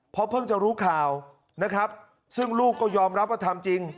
เพราะเพิ่งจะรู้ข่าวนะครับซึ่งลูกก็ยอมรับว่าทำจริง